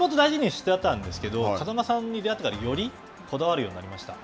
もともと大事にしてたんですけど、風間さんに出会ってからよりこだわるようになりました。